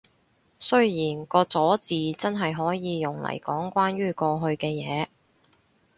雖然個咗字真係可以用嚟講關於過去嘅嘢